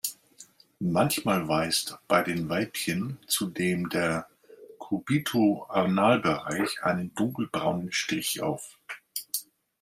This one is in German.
Manchmal weist bei den Weibchen zudem der Cubito-Anal-Bereich einen dunkelbraunen Strich auf.